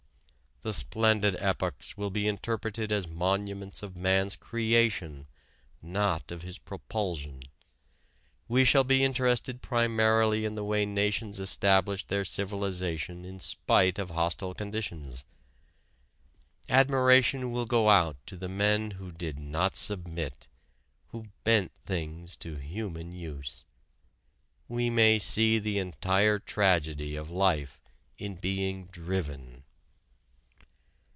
The splendid epochs will be interpreted as monuments of man's creation, not of his propulsion. We shall be interested primarily in the way nations established their civilization in spite of hostile conditions. Admiration will go out to the men who did not submit, who bent things to human use. We may see the entire tragedy of life in being driven.